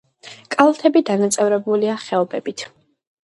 კალთები დანაწევრებულია ხეობებით.